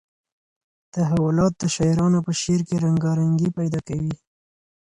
تحولات د شاعرانو په شعر کې رنګارنګي پیدا کوي.